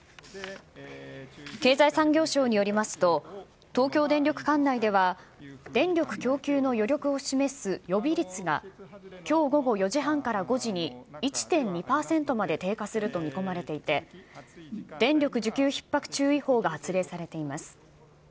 経済産業省によりますと、東京電力管内では電力供給の余力を示す予備率がきょう午後４時半から５時に１．２％まで低下すると見込まれていて、電力需給ひっ迫注意報が発令されています。